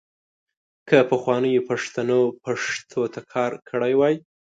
که پخوانیو پښتنو پښتو ته کار کړی وای .